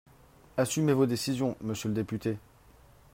Assumez vos décisions, monsieur le député